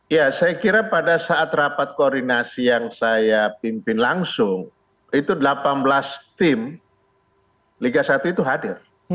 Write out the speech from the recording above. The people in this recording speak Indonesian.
ya saya kira pada saat rapat koordinasi yang saya pimpin langsung itu delapan belas tim liga satu itu hadir